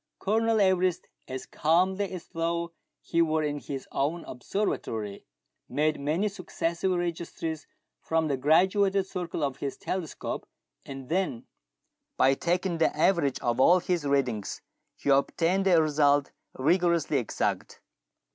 Colonel Everest, as calmly as though he were in his own ob servatory, made many successive registries from the graduated circle of his telescope, and then, by taking the average of all his readings, he obtained a result rigorously exact.